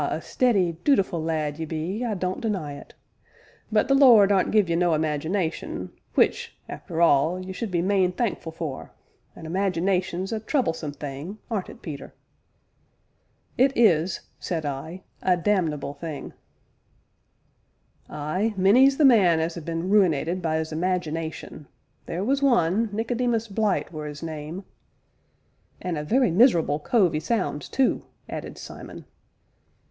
a steady, dootiful lad ye be, I don't deny it; but the Lord aren't give you no imagination, which, arter all, you should be main thankful for; a imagination's a troublesome thing aren't it, Peter?" "It is," said I, "a damnable thing!" "Ay many's the man as 'as been ruinated by 'is imagination theer was one, Nicodemus Blyte were 'is name " "And a very miserable cove 'e sounds, too!" added Simon.